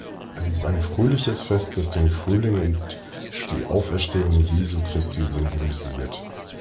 Es ist ein fröhliches Fest, das den Frühling und die Auferstehung Jesu Christi symbolisiert.